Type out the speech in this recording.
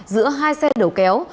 giữa hai xe đầu kéo